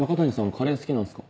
カレー好きなんすか？